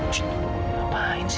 cepet ngapain sih